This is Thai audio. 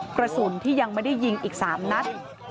กระสุนที่ยังไม่ได้ยิงอีก๓นัด